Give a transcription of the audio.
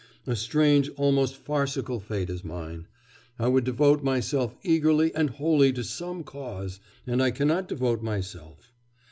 A strange, almost farcical fate is mine; I would devote myself eagerly and wholly to some cause, and I cannot devote myself.